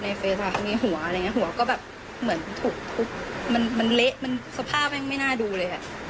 มีหัวอะไรอย่างเงี้ยหัวก็แบบเหมือนถูกทุกมันมันเละมันสภาพแม่งไม่น่าดูเลยอ่ะ